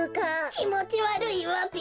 きもちわるいわべ。